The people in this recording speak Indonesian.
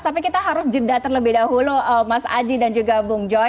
tapi kita harus jeda terlebih dahulu mas aji dan juga bung joy